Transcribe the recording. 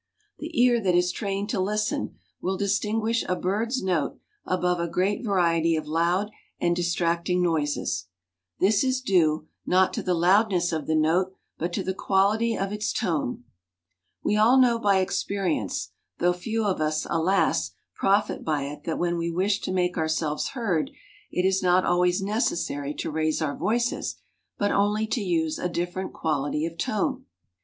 The ear that is trained to listen will distinguish a bird's note above a great variety of loud and distracting noises. This is due, not to the loudness of the note, but to the quality of its tone. We all know by experience, though few of us, alas, profit by it that when we wish to make ourselves heard, it is not always necessary to raise our voices, but only to use a different quality of tone.